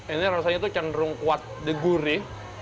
ini rasanya tuh cenderung kuat the gurih